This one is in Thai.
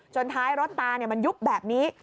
ท้ายรถตามันยุบแบบนี้